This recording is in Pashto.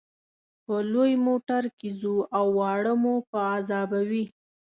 په لوی موټر کې ځو او واړه مو په عذابوي.